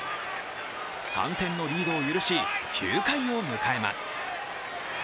３点のリードを許し９回を迎えます。